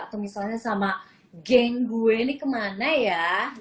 atau misalnya sama geng gue ini kemana ya